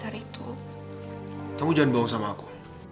kamu jangan bawa sama aku